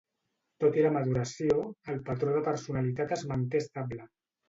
Tot i la maduració, el patró de personalitat es manté estable.